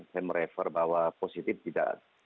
saya merefer bahwa positif tidak